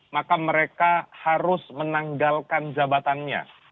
maka mereka harus menanggalkan jabatannya